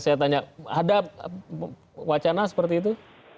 saya tanya ada wacana seperti itu